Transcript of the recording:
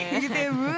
di sini bu